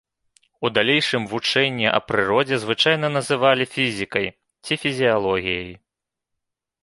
У далейшым вучэнне аб прыродзе звычайна называлі фізікай ці фізіялогіяй.